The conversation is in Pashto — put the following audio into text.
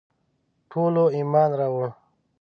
ټولو ایمان راووړ.